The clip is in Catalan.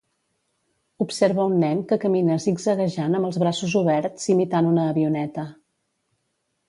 Observa un nen que camina zigzaguejant amb els braços oberts imitant una avioneta.